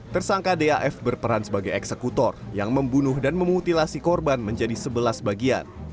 tersangka daf berperan sebagai eksekutor yang membunuh dan memutilasi korban menjadi sebelas bagian